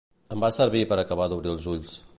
Em va servir per a acabar d’obrir els ulls.